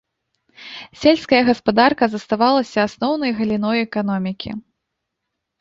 Сельская гаспадарка заставалася асноўнай галіной эканомікі.